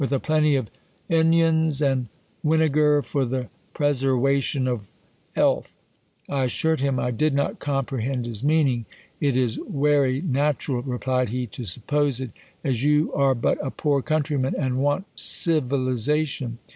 with a plenty of inyons and win egar, for the preserwation of ealth. I assured him I did not comprehend his meaning. It is wery nat chural, replied he, to suppose it, as you are but a poor countryman and want civilization.